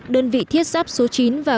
đơn vị thiết giáp số chín và